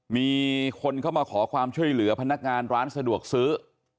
มีคนเข้ามาขอความช่วยเหลือพนักงานร้านสะดวกซื้อ